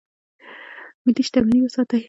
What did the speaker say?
ملي شتمني وساتئ